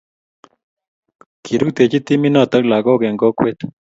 kirutechi timinoto lakok eng kokwet